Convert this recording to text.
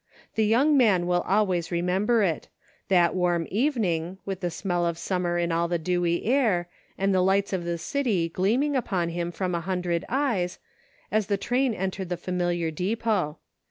The young man will always remember it — that warm evening, with the smell of summer in all the dewy air, and the lights of the city gleaming upon him from a hundred eyes, as the train entered the fa miliar depot.